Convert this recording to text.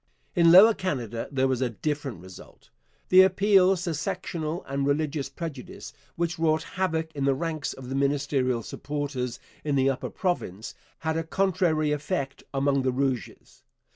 In Lower Canada there was a different result. The appeals to sectional and religious prejudice, which wrought havoc in the ranks of the ministerial supporters in the upper province, had a contrary effect among the Rouges.